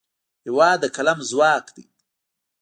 هېواد د قلم ځواک دی.